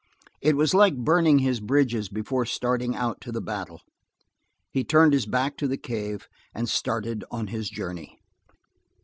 It was like burning his bridges before starting out to the battle; he turned his back to the cave and started on his journey.